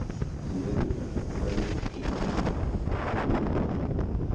Směrnice o obraně však nabízí k offsetům alternativy.